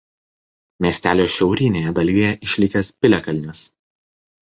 Miestelio šiaurinėje dalyje išlikęs piliakalnis.